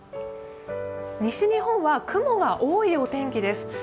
西日本は雲が多いお天気です。